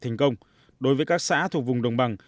thành công đối với các xã thuộc vùng đồng bằng